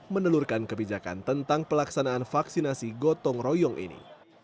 menelurkan kebijakan tentang pelaksanaan vaksinasi gotong royong ini